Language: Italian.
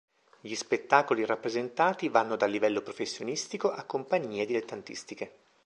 Gli spettacoli rappresentati vanno dal livello professionistico a compagnie dilettantistiche.